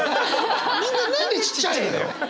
みんな何でちっちゃいのよ！